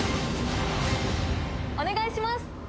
お願いします